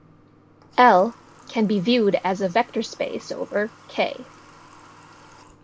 "L" can be viewed as a vector space over "K".